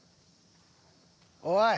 おい。